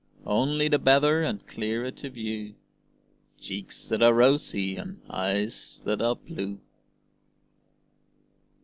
Only the better and clearer to view Cheeks that are rosy and eyes that are blue.